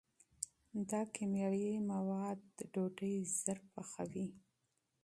دا کیمیاوي مواد ډوډۍ ژر پخوي.